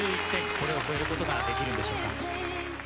これを超えることができるんでしょうか？